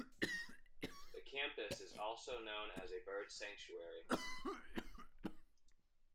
The campus is also known as a bird sanctuary.